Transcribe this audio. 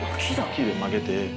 木で曲げて。